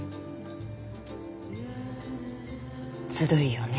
ずるいよね